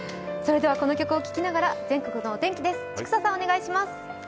それでは、この曲を聴きながら全国のお天気です。